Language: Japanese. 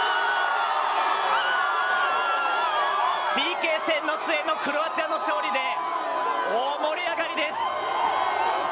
ＰＫ戦の末の、クロアチアの勝利で大盛り上がりです。